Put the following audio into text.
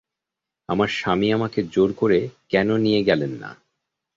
আমার স্বামী আমাকে জোর করে কেন নিয়ে গেলেন না?